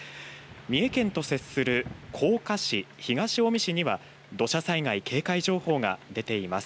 三重県と接する甲賀市、東近江市には土砂災害警戒情報が出ています。